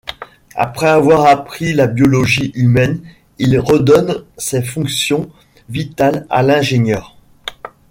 Après avoir appris la biologie humaine il redonne ses fonctions vitales à l'ingénieur.